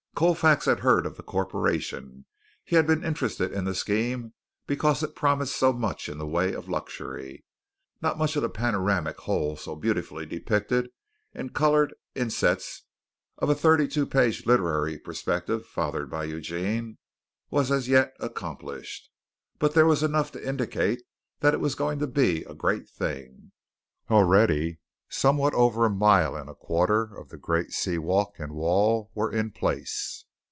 Colfax had heard of the corporation. He had been interested in the scheme because it promised so much in the way of luxury. Not much of the panoramic whole so beautifully depicted in the colored insets of a thirty two page literary prospectus fathered by Eugene was as yet accomplished, but there was enough to indicate that it was going to be a great thing. Already somewhat over a mile and a quarter of the great sea walk and wall were in place.